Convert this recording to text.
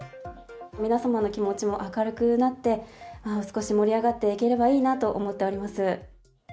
皆様の気持ちも明るくなって、少し盛り上がっていければいいなと思っております。